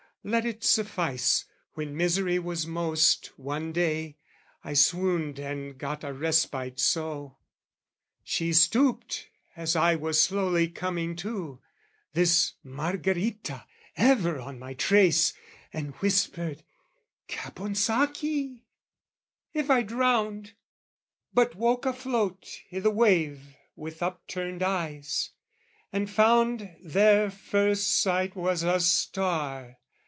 Let it suffice, when misery was most, One day, I swooned and got a respite so. She stooped as I was slowly coming to, This Margherita, ever on my trace, And whispered "Caponsacchi!" If I drowned, But woke afloat i' the wave with upturned eyes, And found their first sight was a star!